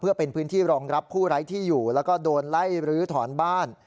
เพื่อเป็นพื้นที่รองรับผู้ไร้ที่อยู่แล้วก็โดนไล่รื้อถอนบ้าน